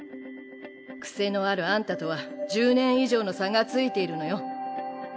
癖のあるあんたとは１０年以上の差がついているのよ。